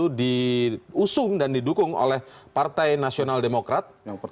yang sudah disusung dan didukung oleh partai nasional demokrat